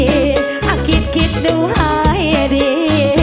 ให้ดีอ่ะคิดคิดดูให้ดี